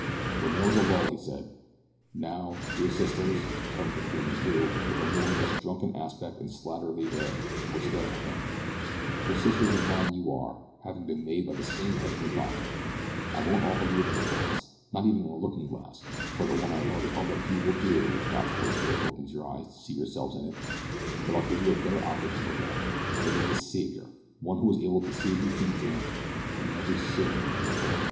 When there was a lull he said: "Now, dear sisters," (turning to the women who, with a more or less drunken aspect and slatternly air, were staring at him), "for sisters of mine you are, having been made by the same Heavenly Father; I won't offer you another glass, not even a looking glass, for the one I have already held up to you will do, if God's Holy Spirit opens your eyes to see yourselves in it; but I'll give you a better object to look at. It is a Saviour one who is able to save you from the drink, and from sin in every form.